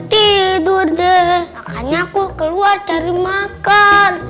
tidur deh makanya aku keluar cari makan